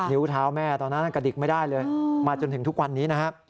นิ้วเท้าแม่ตอนนั้นกระดิกไม่ได้เลยมาจนถึงทุกวันนี้นะครับ